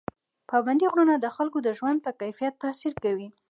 پابندي غرونه د خلکو د ژوند په کیفیت تاثیر کوي.